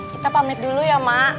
kita pamit dulu ya mak